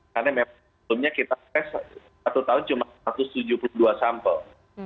karena kita tes satu tahun cuma satu ratus tujuh puluh dua sampel